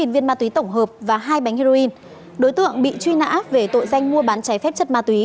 một mươi viên ma túy tổng hợp và hai bánh heroin đối tượng bị truy nã về tội danh mua bán trái phép chất ma túy